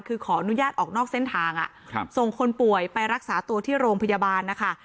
คือขออนุญาตออกนอกเส้นทางส่งคนป่วยไปรักษาตัวที่โรงพยาบาลนะคะ